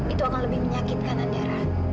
itu akan lebih menyakitkan antara